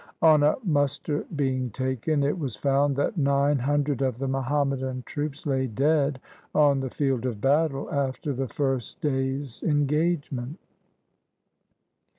On a muster being taken, it was found that nine hundred of the Muhammadan troops lay dead on the field of battle after the first day's engagement.